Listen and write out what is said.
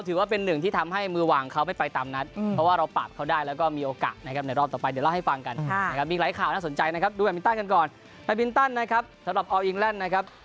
ดูแบบบินตั้นกันก่อนแบบบินตั้นนะครับสำหรับออร์อิงแรนด์นะครับ